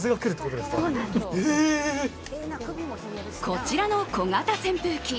こちらの小型扇風機